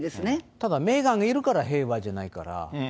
ただ、メーガンがいるから平和じゃないから。